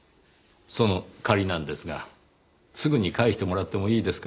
その借りなんですがすぐに返してもらってもいいですか？